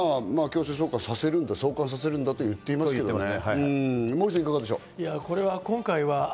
月曜日には強制送還させるんだと言ってますけどね。